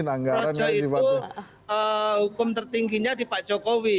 projo itu hukum tertingginya di pak jokowi